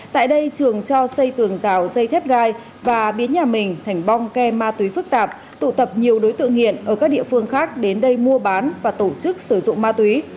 tại đây trường cho xây tường rào dây thép gai và biến nhà mình thành bong ke ma túy phức tạp tụ tập nhiều đối tượng nghiện ở các địa phương khác đến đây mua bán và tổ chức sử dụng ma túy